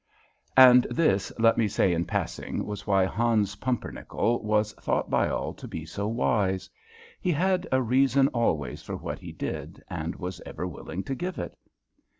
And this, let me say in passing, was why Hans Pumpernickel was thought by all to be so wise. He had a reason always for what he did, and was ever willing to give it.